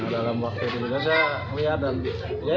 dalam waktu itu saya lihat dan jadi seperti ini